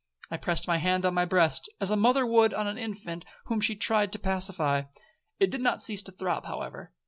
I pressed my hand on my breast, as a mother would on an infant whom she tried to pacify;—it did not cease to throb, however.